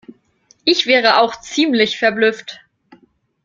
Ich wäre auch ziemlich verblüfft.